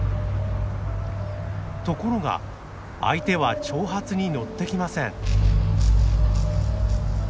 ところが相手は挑発に乗ってきません。